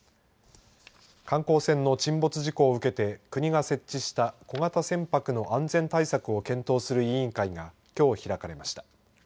観光船の沈没事故を受けて国が設置した小型船舶の安全対策を検討する委員会がきょう開かれました。